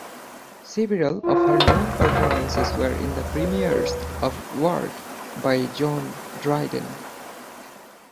Several of her known performances were in the premieres of work by John Dryden.